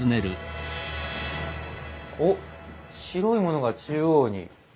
おっ白いものが中央に。